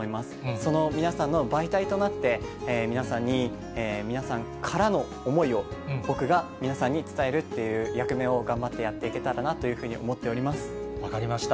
その皆さんの媒体となって、皆さんに、皆さんからの思いを、僕が皆さんに伝えるっていう役目を頑張ってやっていけたらなと思分かりました。